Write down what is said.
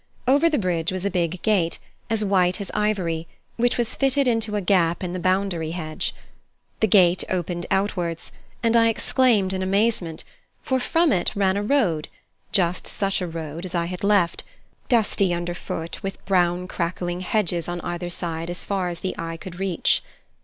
Over the bridge was a big gate, as white as ivory, which was fitted into a gap in the boundary hedge. The gate opened outwards, and I exclaimed in amazement, for from it ran a road just such a road as I had left dusty under foot, with brown crackling hedges on either side as far as the eye could reach.